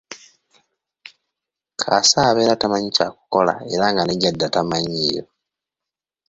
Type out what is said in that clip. Kaasa abeera tamanyi kyakukola era nga ne gyadda tamanyiiyo.